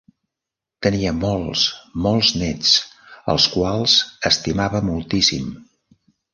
Tenia molts, molts nets, als quals estimava moltíssim.